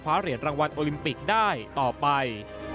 เหรียญรางวัลโอลิมปิกได้ต่อไป